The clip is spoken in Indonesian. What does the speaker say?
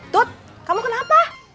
tut kamu kenapa